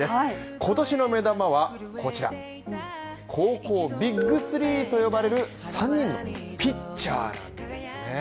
今年の目玉はこちら高校ビッグ３と呼ばれる３人のピッチャーですね